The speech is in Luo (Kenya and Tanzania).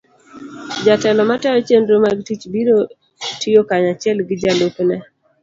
jatelo matayo chenro mag tich biro tiyo kanyachiel gi jalupne.